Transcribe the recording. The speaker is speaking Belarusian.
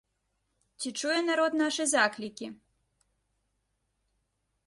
Ці чуе народ нашы заклікі?